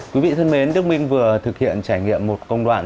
quý vị thân mến đức minh vừa thực hiện trải nghiệm một công đoạn